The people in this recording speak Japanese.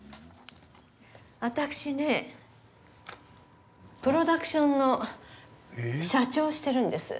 私ねプロダクションの社長をしてるんです。